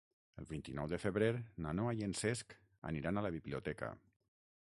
El vint-i-nou de febrer na Noa i en Cesc aniran a la biblioteca.